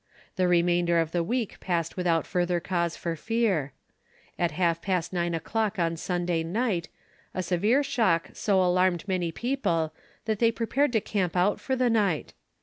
The remainder of the week passed without further cause for fear. At half past nine o'clock on Sunday night a severe shock so alarmed many people that they prepared to camp out for the night.